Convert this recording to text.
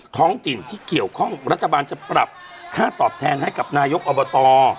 ท้องถิ่นที่เกี่ยวข้องรัฐบาลจะปรับค่าตอบแทนให้กับนายกอบต